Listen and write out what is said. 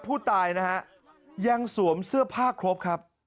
ผู้ตายนะฮะยังสวมเสื้อผ้าครบครับ